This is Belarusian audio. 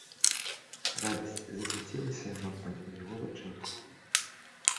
Радасць засвяцілася раптам у яго вачах.